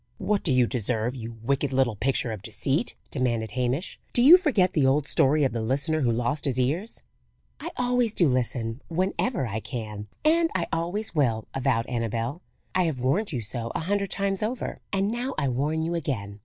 "What do you deserve, you wicked little picture of deceit?" demanded Hamish. "Do you forget the old story of the listener who lost his ears?" "I always do listen whenever I can, and I always will," avowed Annabel. "I have warned you so a hundred times over, and now I warn you again.